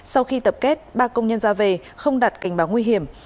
sau khi tập kết ba công nhân ra về không đặt cảnh báo nguy hiểm